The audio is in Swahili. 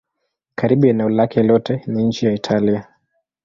Karibu eneo lake lote ni nchi ya Italia.